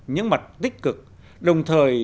những mặt tích cực đồng thời